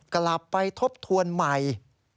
กลับไปทบทวนใหม่